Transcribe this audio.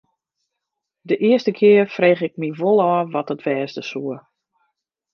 De earste kear frege ik my wol ôf wat it wêze soe.